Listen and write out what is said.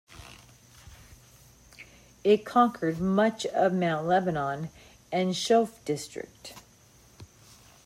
It conquered much of Mount Lebanon and the Chouf District.